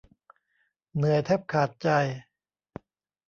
เหนื่อยแทบขาดใจ